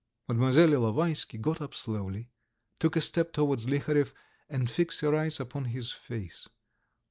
..." Mlle. Ilovaisky got up slowly, took a step towards Liharev, and fixed her eyes upon his face.